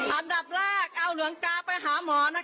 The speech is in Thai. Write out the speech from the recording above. อันดับแรกเอาหลวงตาไปหาหมอนะคะ